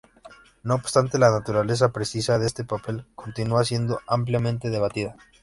No obstante, la naturaleza precisa de este papel continúa siendo ampliamente debatida.